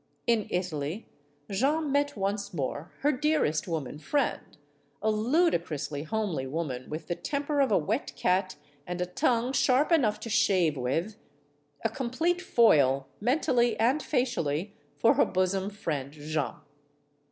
In Italy, Jeanne met once more her dearest woman friend ; a ludicrously homely woman with the temper of a wet cat and a 240 STORIES OF THE SUPER WOMEN tongue sharp enough to shave with; a complete foil, mentally and facially, for her bosom friend, Jeanne.